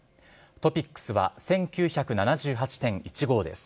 トピックスは１９７８．１５です。